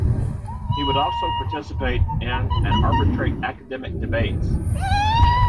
He would also participate in and arbitrate academic debates.